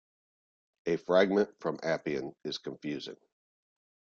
A fragment from Appian is confusing.